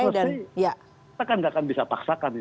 kalau memang belum selesai kita kan nggak akan bisa paksakan